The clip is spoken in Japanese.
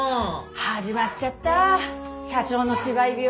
始まっちゃった社長の芝居病。